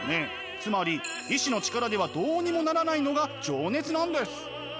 つまり意思の力ではどうにもならないのが情熱なんです！